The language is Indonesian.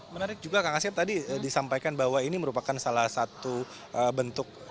menarik juga kang asep tadi disampaikan bahwa ini merupakan salah satu bentuk